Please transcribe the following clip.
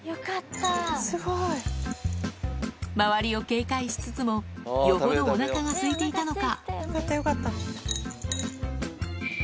周りを警戒しつつも、よほどおなかがすいていたのか。